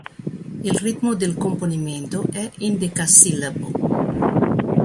Il ritmo del componimento è endecasillabo.